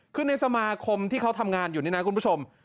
คือในสมาคมที่เขาทำงานอยู่นี่นะคุณผู้ชม